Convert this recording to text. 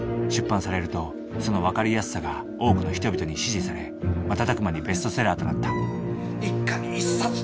出版されるとその分かりやすさが多くの人々に支持され瞬く間にベストセラーとなった一家に１冊！